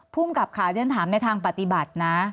ภูมิกับค่ะเรียนถามในทางปฏิบัตินะ